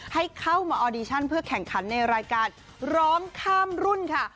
ให้เข้ามาออดิชั่นเพื่อแข่งขันในรายการร้องข้ามรุ่นค่ะ